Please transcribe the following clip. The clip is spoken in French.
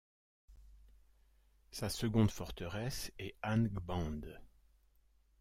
Sa seconde forteresse est Angband.